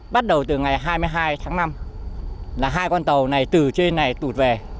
bắt đầu từ ngày hai mươi hai tháng năm là hai con tàu này từ trên này tụt về